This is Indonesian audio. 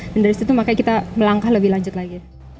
dan dari situ makanya kita melangkah lebih lanjut lagi